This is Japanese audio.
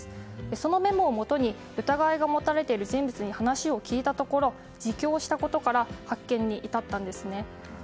そのメモをもとに疑いが持たれている人物に話を聞いたところ自供したことから発見に至ったんですね。